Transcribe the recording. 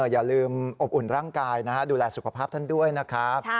อย่าลืมอบอุ่นร่างกายนะฮะดูแลสุขภาพท่านด้วยนะครับ